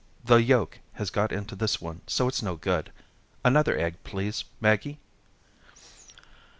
The yolk has got into this one so it's no good. Another egg, please, Maggie."